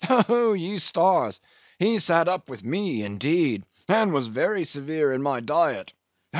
Oh, ye stars! he sat up with me indeed, and was very severe in my diet.